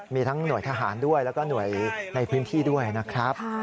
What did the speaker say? มีทั้งหน่วยทหารด้วยแล้วก็หน่วยในพื้นที่ด้วยนะครับ